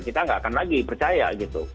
kita nggak akan lagi percaya gitu